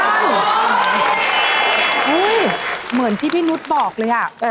เห้ยเหมือนที่พี่นุฏบอกเลยอะ